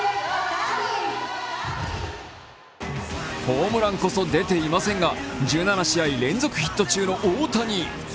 ホームランこそ出ていませんが１７試合連続ヒット中の大谷。